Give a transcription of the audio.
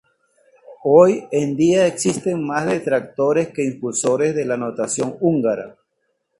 Hoy en día existen más detractores que impulsores de la notación húngara.